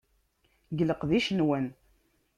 Deg leqdic-nwen.